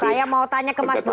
saya mau tanya ke mas bobi